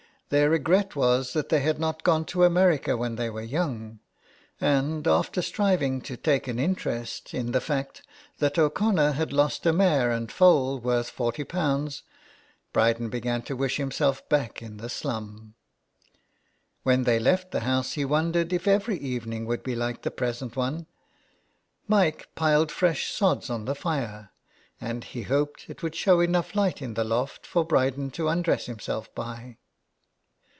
Their regret was that they had not gone to America when they were young ; and after striving to take an interest in the fact that O'Connor had lost a mare and foal worth forty pounds Bryden began to wish himself back in the slum. When they left the house he wondered if every evening would be like the present one. Mike piled fresh sods on the fire, and he hoped it would show enough light in the loft for Bryden to undress himself by.